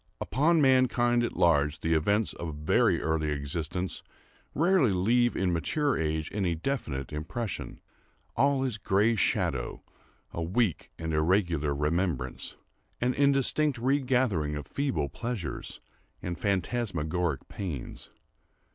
Upon mankind at large the events of very early existence rarely leave in mature age any definite impression. All is gray shadow—a weak and irregular remembrance—an indistinct regathering of feeble pleasures and phantasmagoric pains.